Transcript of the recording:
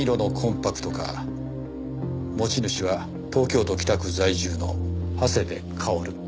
持ち主は東京都北区在住の長谷部薫。